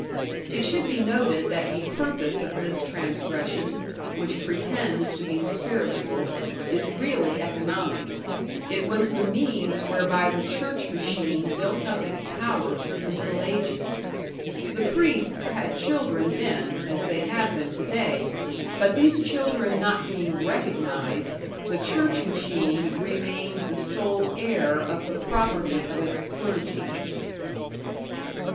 It should be noted that the purpose of this transgression, which pretends to be spiritual, is really economic; it was the means whereby the church machine built up its power through the Middle Ages. The priests had children then, as they have them today; but these children not being recognized, the church machine remained the sole heir of the property of its clergy.